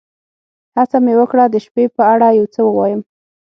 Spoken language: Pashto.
هڅه مې وکړه د شپې په اړه یو څه ووایم.